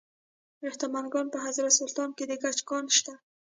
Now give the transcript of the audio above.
د سمنګان په حضرت سلطان کې د ګچ کان شته.